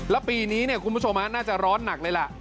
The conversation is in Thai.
แล้วปีนี้คุณผู้ชมน่าจะร้อนหนักเลยล่ะ